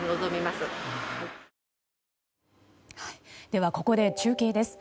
ではここで中継です。